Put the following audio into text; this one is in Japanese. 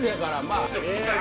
あ！